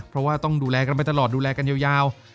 เพราะว่าต้องดูแลกันไปตลอดดูแลกันยาว